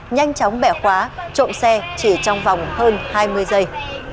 nhanh chóng bẻ khóa trộm xe chỉ trong vòng hơn hai mươi giây